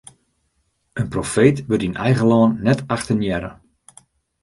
In profeet wurdt yn eigen lân net achtenearre.